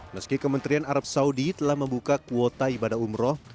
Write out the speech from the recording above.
meski kementerian arab saudi telah membuka kuota ibadah umroh